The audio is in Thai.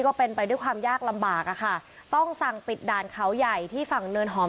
ก็เป็นไปด้วยความยากลำบากอะค่ะต้องสั่งปิดด่านเขาใหญ่ที่ฝั่งเนินหอม